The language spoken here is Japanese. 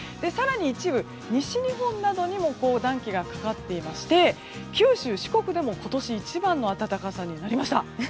更に一部、西日本などにも暖気がかかっていまして九州、四国でも今年一番の暖かさになりました。